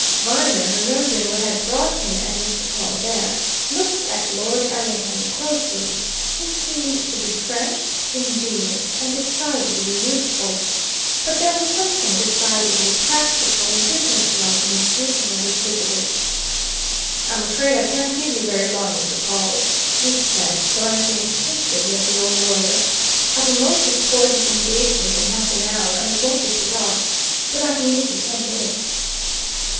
Viner, remembering what had brought him and Mr. Pawle there, looked at Lord Ellingham closely he seemed to be frank, ingenuous, and decidedly youthful. But there was something decidedly practical and business like in his greeting of his visitors. "I'm afraid I can't give you very long, Mr. Pawle," he said, glancing instinctively at the old lawyer. "I've a most important engagement in half an hour, and it won't be put off. But I can give you ten minutes."